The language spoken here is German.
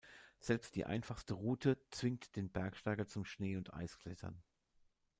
Selbst die einfachste Route zwingt den Bergsteiger zum Schnee- und Eisklettern.